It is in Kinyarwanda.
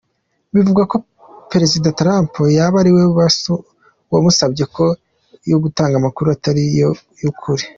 Bivugwa ko Perezida Trump yaba ariwe bamusabye ko gutanga amakuru atari ay’ ukuri.